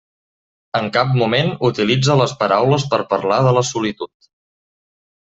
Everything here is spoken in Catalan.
En cap moment utilitza les paraules per parlar de la solitud.